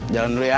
jalan dulu ya